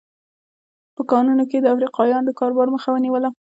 په کانونو کې یې د افریقایانو د کاروبار مخه ونیوله.